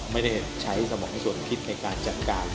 ไม่ได้ใช้สมองส่วนคิดในการจัดการ